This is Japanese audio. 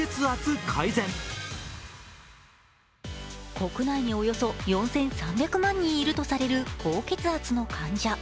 国内におよそ４３００万人いるとされる高血圧の患者。